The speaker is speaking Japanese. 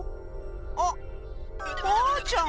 あっマーちゃん！